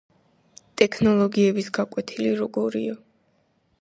ტექნოლოგიების გაკვეთილი როგორია?